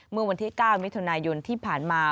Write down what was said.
เมื่อวันที่๙มิถุนายนที่ผ่านมา